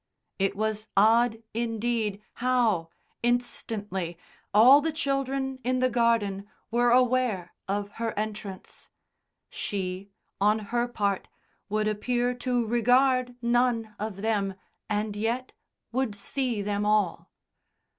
It was odd, indeed, how, instantly, all the children in the garden were aware of her entrance. She, on her part, would appear to regard none of them, and yet would see them all.